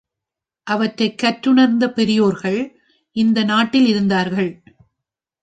அவற்றைக் கற்றுணர்ந்த பெரியோர்கள் இந்த நாட்டில் இருந்தார்கள்.